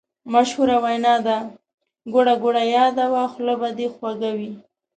مشهوره وینا ده: ګوړه ګوړه یاده وه خوله به دې خوږه وي.